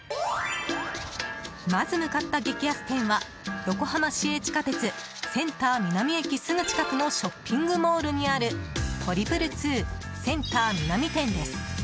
まず向かった激安店は横浜市営地下鉄センター南駅すぐ近くのショッピングモールにある２２２センター南店です。